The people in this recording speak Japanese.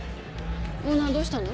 オーナーどうしたの？